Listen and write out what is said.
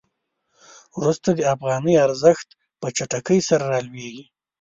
وروسته د افغانۍ ارزښت په چټکۍ سره رالویږي.